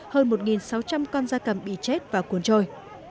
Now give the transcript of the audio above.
hơn một sáu trăm linh con da cầm bị chết và cuốn trôi